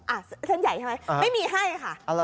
เส้นใหญ่ใช่ไหมไม่มีให้ค่ะ